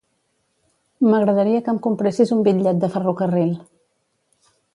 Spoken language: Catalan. M'agradaria que em compressis un bitllet de ferrocarril.